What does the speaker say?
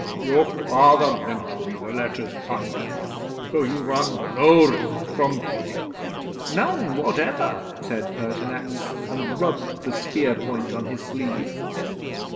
"Your Father lent me the letters, Parnesius, so you run no risk from me." '"None whatever," said Pertinax, and rubbed the spear point on his sleeve.